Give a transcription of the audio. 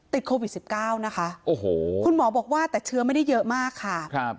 ติดโควิด๑๙นะคะโอ้โหคุณหมอบอกว่าแต่เชื้อไม่ได้เยอะมากค่ะ